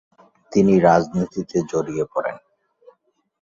তিনি রাজনীতিতে জড়িয়ে পড়েন।